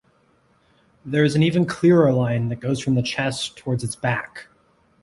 There is an even clearer line that goes from the chest towards its back.